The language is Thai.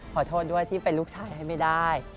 ขอโทษด้วยที่เป็นลูกชายให้ไม่ได้